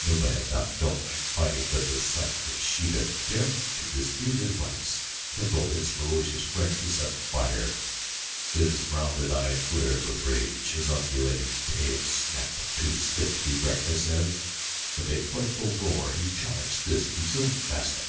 Numa had not felt like fighting; but the sight of Sheeta daring to dispute his rights kindled his ferocious brain to sudden fire. His rounded eyes glared with rage, his undulating tail snapped to stiff erectness as, with a frightful roar, he charged this presuming vassal.